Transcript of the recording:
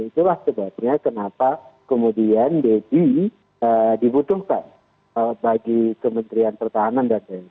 itulah sebabnya kenapa kemudian deddy dibutuhkan bagi kementerian pertahanan dan tni